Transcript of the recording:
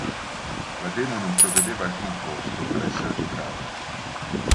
La demo non prevedeva alcun costo per essere giocata.